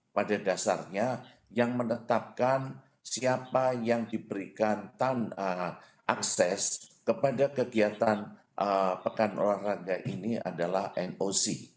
pada dasarnya yang menetapkan siapa yang diberikan tanpa akses kepada kegiatan pekan olahraga ini adalah noc